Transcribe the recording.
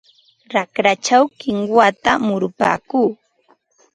Raqrachaw kinwata murupaakuu.